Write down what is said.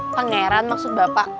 pengeran maksud bapak